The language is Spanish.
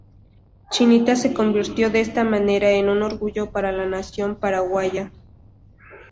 Chinita se convirtió de esta manera en un orgullo para la nación paraguaya.